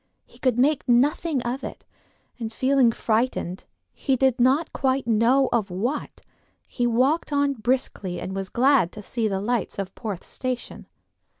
He could make nothing of it, and feeling frightened, he did not quite know of what, he walked on briskly and was glad to see the lights of Porth station.